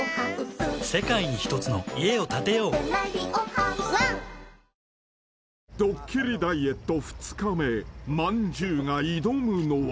ｈｏｙｕ［ドッキリダイエット２日目まんじゅうが挑むのは］